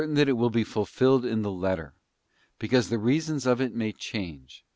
147 that it will be fulfilled in the letter, because the reasons of it may change.